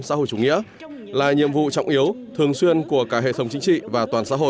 xã hội chủ nghĩa là nhiệm vụ trọng yếu thường xuyên của cả hệ thống chính trị và toàn xã hội